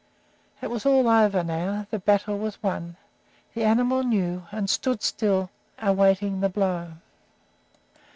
It was all over now, the battle was won, the animal knew, and stood still awaiting the blow.